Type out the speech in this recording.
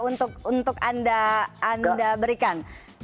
itu tidak untuk anda berikan